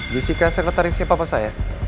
jessica sekretarisnya papa saya